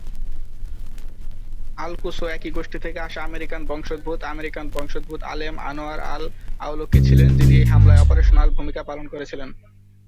Al-Quso একই গোষ্ঠী থেকে আসা আমেরিকান বংশোদ্ভূত আমেরিকান বংশোদ্ভূত আলেম আনোয়ার আল-আওলাকি ছিলেন, যিনি এই হামলায় অপারেশনাল ভূমিকা পালন করেছিলেন।